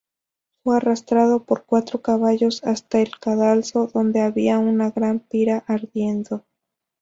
Fue arrastrado por cuatro caballos hasta el cadalso, donde había una gran pira ardiendo.